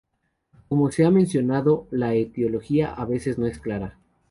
Como se ha mencionado, la etiología a veces no es clara.